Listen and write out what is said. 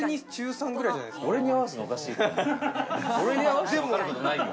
俺に合わせても分かることないよ。